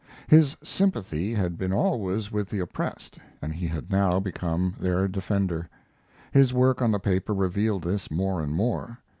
His sympathy had been always with the oppressed, and he had now become their defender. His work on the paper revealed this more and more.